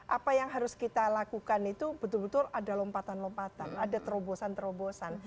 apa yang harus kita lakukan itu betul betul ada lompatan lompatan ada terobosan terobosan